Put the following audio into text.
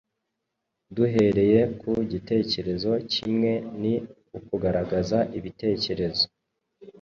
Duhereye ku gitekerezo kimwe ni ukugaragaza ibitekerezo